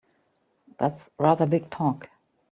That's rather big talk!